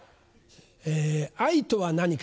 え愛とは何か？